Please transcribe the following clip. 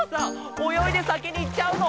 およいでさきにいっちゃうの？